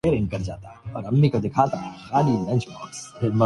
معمول کے یونیکوڈ کی چھٹائی کریں